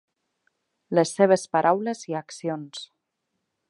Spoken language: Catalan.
Les seves paraules i accions.